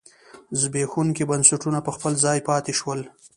زبېښونکي بنسټونه په خپل ځای پاتې شول.